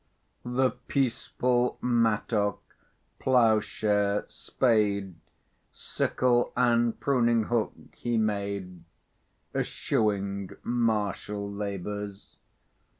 The peaceful mattock, ploughshare, spade, Sickle, and pruning hook he made, Eschewing martial labours.